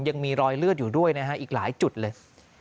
ยังมีรอยเลือดอยู่ด้วยนะฮะอีกหลายจุดเลย